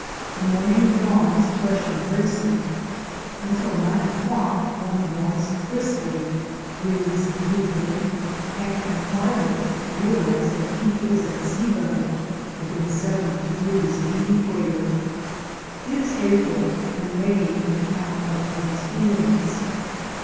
The morning dawns fresh and bracing; until nine o'clock one walks briskly, breathes deeply and can hardly realize that he is at sea level within seven degrees of the equator. It is April and May in the calendar of one's feelings.